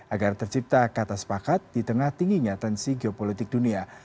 agar tercipta kata sepakat di tengah tingginya tensi geopolitik dunia